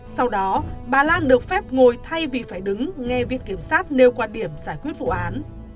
sau đó bà lan được phép ngồi thay vì phải đứng nghe viện kiểm sát nêu quan điểm giải quyết vụ án